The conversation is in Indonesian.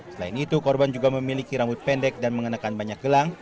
selain itu korban juga memiliki rambut pendek dan mengenakan banyak gelang